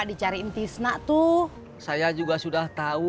prince advance yang lawan sama bunga gitu